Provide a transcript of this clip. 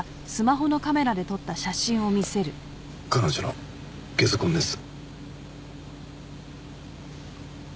彼女のゲソ痕です。